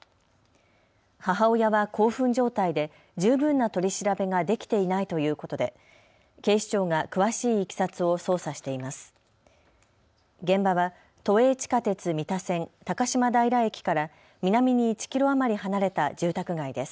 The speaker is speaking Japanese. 母親は興奮状態で十分な取り調べができていないということで警視庁が詳しいいきさつを捜査しています。